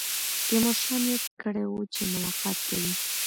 تیمورشاه نیت کړی وو چې ملاقات کوي.